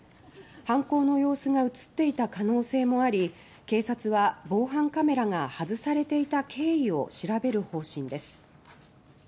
犯行の様子が写っていた可能性もあり警察は防犯カメラが外されていた経緯を調べる方針です。